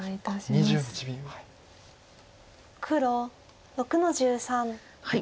黒６の十三ノビ。